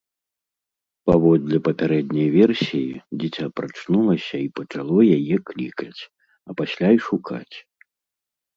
Паводле папярэдняй версіі, дзіця прачнулася і пачало яе клікаць, а пасля і шукаць.